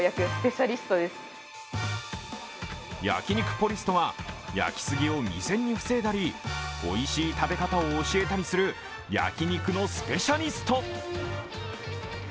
焼肉ポリスとは、焼きすぎを未然に防いだり、おいしい食べ方を教えたりする焼肉のスペシャリスト。